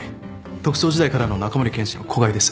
特捜時代からの中森検事の子飼いです。